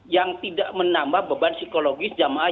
yang tidak menambah beban psikologis jemaah